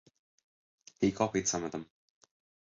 He copied some of them.